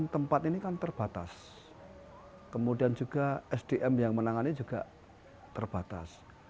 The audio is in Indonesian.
tempat ini kan terbatas kemudian juga sdm yang menangani juga terbatas